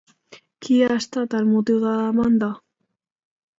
Quin ha estat el motiu de la demanda?